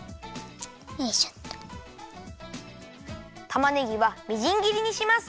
たまねぎはみじんぎりにします。